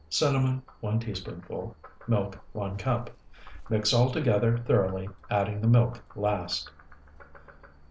Cinnamon, 1 teaspoonful. Milk, 1 cup. Mix all together thoroughly, adding the milk last.